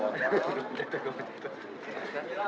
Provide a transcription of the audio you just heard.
dari sini pak